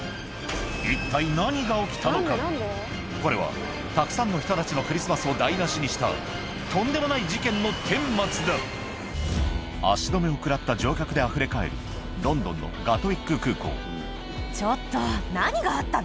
一体これはたくさんの人たちのクリスマスを台無しにしたとんでもない事件の顛末だ足止めを食らった乗客であふれ返るロンドンのガトウィック空港